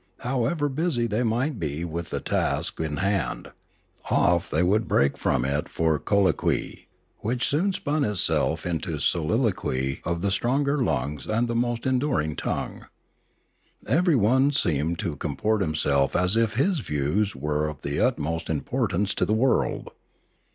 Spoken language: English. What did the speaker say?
However busy they might be with the task in hand, off they would break from it for colloquy, which soon spun itself into the soliloquy of the stronger lungs and the most enduring tongue. Everyone seemed to comport himself as if his views were of the utmost im portance to the world.